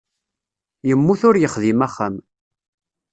Yemmut ur yexdim axxam.